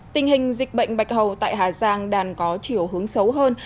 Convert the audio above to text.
tình hình dịch bệnh bạch hầu tại hà giang đang có chiều hướng xấu hơn